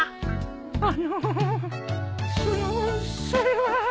あのそのそれは。